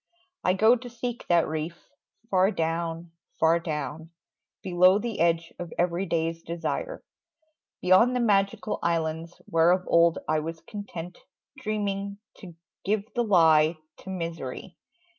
I go to seek that reef, far down, far down Below the edge of everyday's desire, Beyond the magical islands, where of old I was content, dreaming, to give the lie To misery.